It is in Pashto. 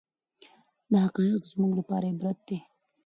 دا حقایق زموږ لپاره عبرت دي.